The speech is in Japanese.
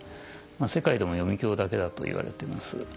世界でも読響だけだといわれてます。